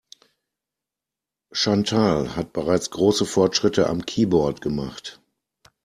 Chantal hat bereits große Fortschritte am Keyboard gemacht.